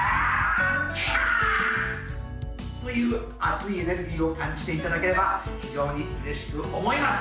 チャー！という熱いエネルギーを感じていただければ非常に嬉しく思います